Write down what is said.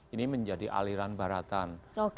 ini menjadi aliran baratan